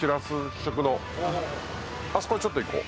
あそこへちょっと行こう。